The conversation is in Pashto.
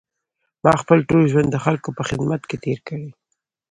ما خپل ټول ژوند د خلکو په خدمت کې تېر کړی.